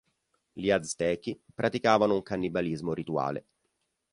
Gli Aztechi praticavano un cannibalismo rituale.